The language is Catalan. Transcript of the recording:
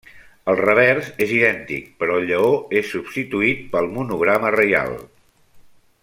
El revers és idèntic, però el lleó és substituït pel monograma reial.